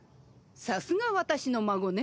さすが私の孫ね。